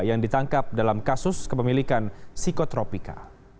yang ditangkap dalam kasus kepemilikan psikotropika